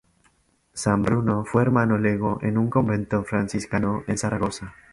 San Bruno fue hermano lego en un convento franciscano en Zaragoza.